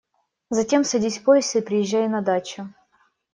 Затем садись в поезд и приезжай на дачу…